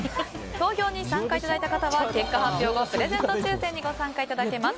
投票に参加いただいた方には結果発表後、プレゼント抽選にご参加いただけます。